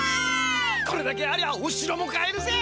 これだけありゃおしろも買えるぜ！